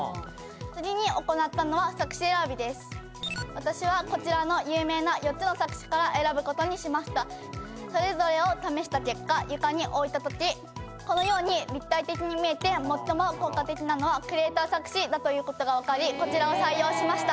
私はこちらの有名な４つの錯視から選ぶことにしましたそれぞれを試した結果床に置いた時このように立体的に見えて最も効果的なのはクレーター錯視だということが分かりこちらを採用しました